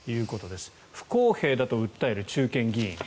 不公平だと訴える中堅議員。